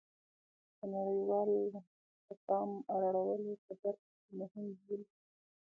د نړیواله د پام اړولو په برخه کې مهمه بولي